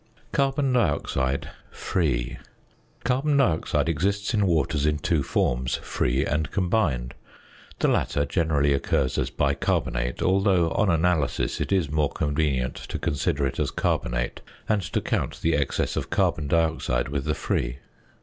~Carbon Dioxide (free).~ Carbon dioxide exists in waters in two forms, free and combined. The latter generally occurs as bicarbonate, although on analysis it is more convenient to consider it as carbonate, and to count the excess of carbon dioxide with the free.